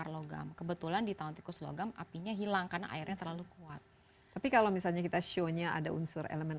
logam apinya hilang karena airnya terlalu kuat tapi kalau misalnya kita show nya ada unsur elemen